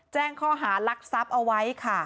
แจ้งข้อหารักทรัพย์เอาไว้ค่ะ